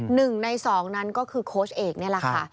หนึ่งในสองนั้นก็คือโค้ชเอกนี่แหละค่ะ